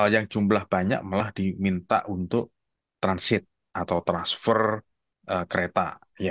yang jumlah banyak malah diminta untuk transit atau transfer kereta